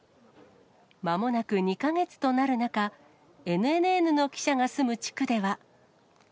まもなく２か月となる中、ＮＮＮの記者が住む地区では。